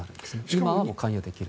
今は関与できる。